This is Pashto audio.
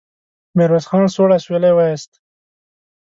ميرويس خان سوړ اسويلی وايست.